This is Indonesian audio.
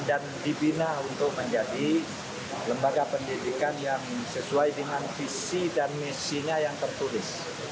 dan dibina untuk menjadi lembaga pendidikan yang sesuai dengan visi dan misinya yang tertulis